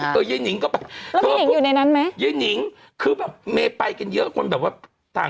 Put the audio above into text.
แล้วแม่นิงอยู่ในนั้นค่ะแม่นิงชลับธุระก็ไม่ไปกันเยอะ